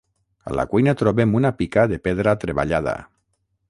A la cuina trobem una pica de pedra treballada.